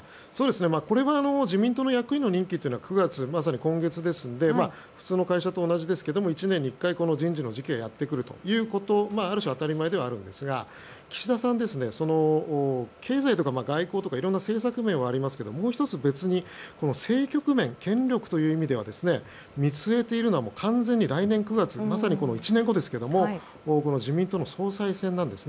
これは自民党の役員の任期は９月、まさに今月ですので普通の会社と同じですけど１年に１回人事の時期がやってくることある種、当たり前ではありますが岸田さんはその経済とか外交とかいろいろな政策面はありますがもう１つ別に政局面、権力という意味では見据えているのは完全に来年９月、まさに１年後ですけど自民党の総裁選なんです。